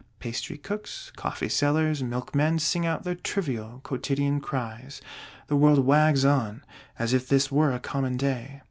Pastry cooks, coffee sellers, milkmen sing out their trivial quotidian cries, the world wags on, as if this were a common day.